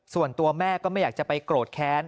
ส่วนตัวแม่ก็ไม่อยากจะไปโกรธแค้น